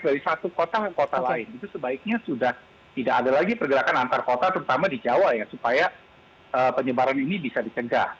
dari satu kota ke kota lain itu sebaiknya sudah tidak ada lagi pergerakan antar kota terutama di jawa ya supaya penyebaran ini bisa dicegah